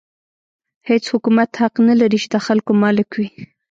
هېڅ حکومت حق نه لري چې د خلکو مالک وي.